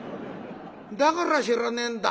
だから知らねえんだ。